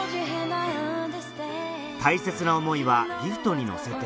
大切な思いはギフトに乗せて